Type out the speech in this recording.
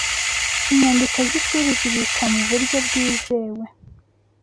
Inyandiko z'ishuri zibikwamuburyo bwizewe